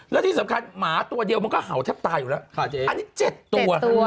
แล้วที่สำคัญหมาตัวเดียวมันก็เห่าแทบตายอยู่แล้วอันนี้๗ตัว